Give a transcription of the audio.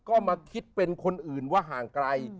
ก็มาคิดเป็นคนอื่นว่าห่างไกล